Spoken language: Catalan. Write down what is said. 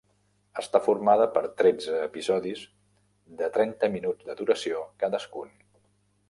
Està formada per tretze episodis de trenta minuts de duració cadascun.